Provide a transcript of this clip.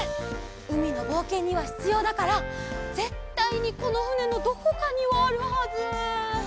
うみのぼうけんにはひつようだからぜったいにこのふねのどこかにはあるはず。